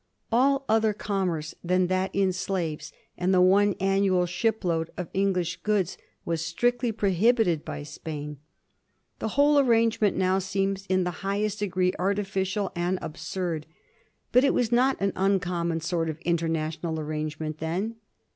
All other commerce than that in slaves and the one annual shipload of English goods was strictly prohibited by Spain. The whole arrangement now seems in the highest degree artificial and absurd ; but it was not an uncommon sort of international arrangement then.